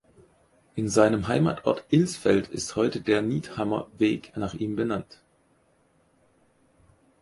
In seinem Heimatort Ilsfeld ist heute der "Niethammer-Weg" nach ihm benannt.